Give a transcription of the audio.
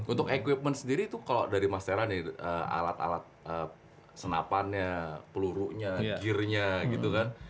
untuk equipment sendiri tuh kalau dari mas tera nih alat alat senapannya pelurunya gearnya gitu kan